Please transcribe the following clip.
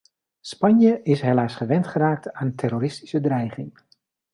Spanje is helaas gewend geraakt aan terroristische dreiging.